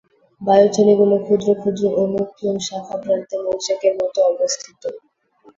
বায়ুথলিগুলো ক্ষুদ্র ক্ষুদ্র অনুক্লোম শাখাপ্রান্তে মৌচাকের মত অবস্থিত।